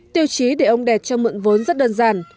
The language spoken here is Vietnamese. tiêu chí để ông đẹp cho mượn vốn rất đơn giản